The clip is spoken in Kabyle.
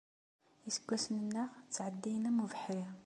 Iseggasen-nneɣ ttɛeddin am ubeḥri.